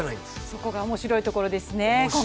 そこが面白いところですね。